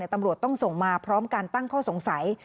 ตำรวจต้องส่งมาพร้อมการตั้งข้อสงสัย